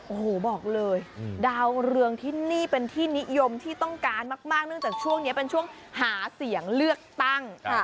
โอ้โหบอกเลยดาวเรืองที่นี่เป็นที่นิยมที่ต้องการมากเนื่องจากช่วงนี้เป็นช่วงหาเสียงเลือกตั้ง